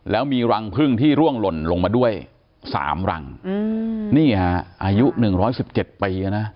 แล้วมีรังพึ่งที่ร่วงหล่นลงมาด้วยสามรังอืมนี่ฮะอายุหนึ่งร้อยสิบเจ็ดปีนะ